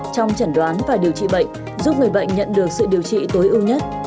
trong chẩn đoán và điều trị bệnh giúp người bệnh nhận được sự điều trị tối ưu nhất